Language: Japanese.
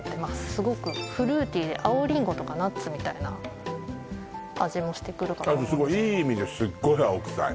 すごくフルーティーで青リンゴとかナッツみたいな味もしてくるあとすごいいい意味ですっごい青臭い